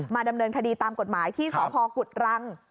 ดำเนินคดีตามกฎหมายที่สพกุฎรัง